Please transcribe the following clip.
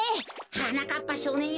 はなかっぱしょうねんよ